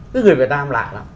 cái người việt nam lạ lắm